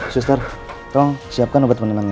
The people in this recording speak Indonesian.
suster tolong siapkan obat penenangnya